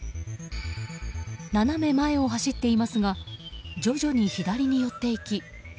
斜め前を走っていますが徐々に左に寄っていき。